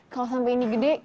kalo sampe ini gede